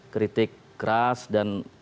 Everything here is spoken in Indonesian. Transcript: kritik keras dan